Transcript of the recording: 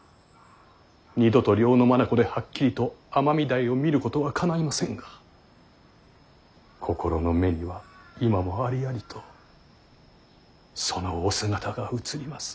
二度と両の眼ではっきりと尼御台を見ることはかないませんが心の目には今もありありとそのお姿が映ります。